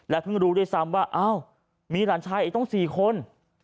เพิ่งรู้ด้วยซ้ำว่าอ้าวมีหลานชายอีกต้อง๔คน